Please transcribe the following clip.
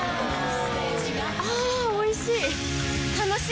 あぁおいしい！